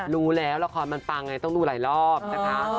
รู้แล้วละครมันปังไงต้องดูหลายรอบนะคะ